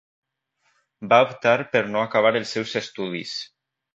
Va optar per no acabar els seus estudis.